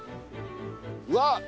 うわっ。